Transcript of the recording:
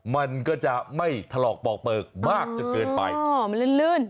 มันก็จะไม่ถลอกปอกเปลือกมากจนเกินไปอ๋อมันลื่นลื่น